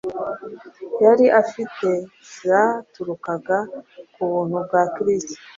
yari afite zaturukaga ku buntu bwa Kristo;